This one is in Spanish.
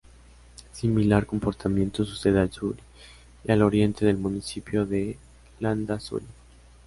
Similar comportamiento sucede al sur y al oriente del Municipio de Landázuri.